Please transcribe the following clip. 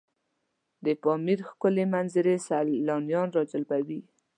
د پامیر ښکلي منظرې سیلانیان راجلبوي.